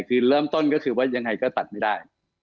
คือเริ่มต้นก็คือว่ายังไงก็ตัดไม่ได้